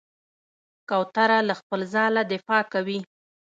کوتره له خپل ځاله دفاع کوي.